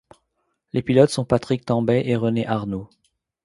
Les pilotes sont Patrick Tambay et René Arnoux.